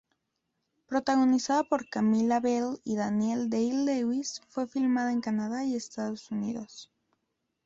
Protagonizada por Camilla Belle y Daniel Day-Lewis, fue filmada en Canadá y Estados Unidos.